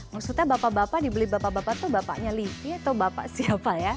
maksudnya bapak bapak dibeli bapak bapak tuh bapaknya livi atau bapak siapa ya